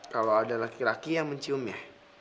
kalau ada laki laki yang menciumnya